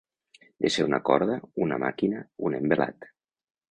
Desfer una corda, una màquina, un envelat.